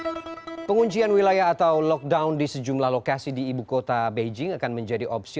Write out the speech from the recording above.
hai penguncian wilayah atau lockdown di sejumlah lokasi di ibukota beijing akan menjadi opsi